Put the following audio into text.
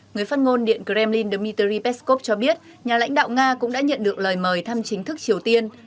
người phát ngôn điện kremlin dmitry peskov cho biết nhà lãnh đạo nga cũng đã nhận được lời mời thăm chính thức triều tiên